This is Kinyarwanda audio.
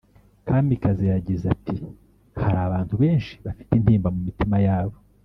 Kamikazi yagize ati “Hari abantu benshi bafite intimba mu mitima yabo